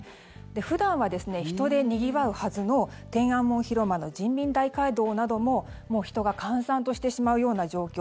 普段は人でにぎわうはずの天安門広場の人民大会堂などももう人が閑散としてしまうような状況。